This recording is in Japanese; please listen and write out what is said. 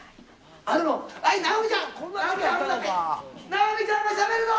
「菜穂美ちゃんがしゃべるぞ！」